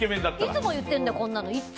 いつも言ってんだよ、こんなの。